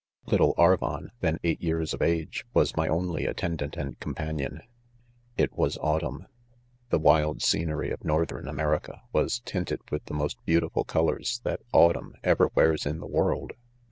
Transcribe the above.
' Little Ar von, then eight years of age, was my only attendant and companion. It was : aMiuMh. ■ The . wild scenery of northern A merica was tinted with the most beautiful col THE CONFESSIONS* !fj ©rs, that autumn ever wears in the world.